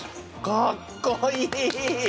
かっこいい！